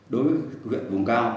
đối với huyện vùng cao